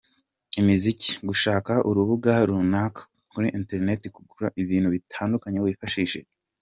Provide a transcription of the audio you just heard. imiziki, gushaka urubuga runaka kuri internet kugura ibintu bitandukanye wifashishije